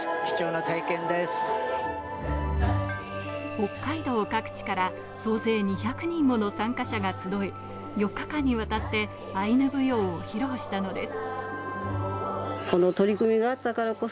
北海道各地から総勢２００人もの参加者が集い、４日間にわたってアイヌ舞踊を披露したのです。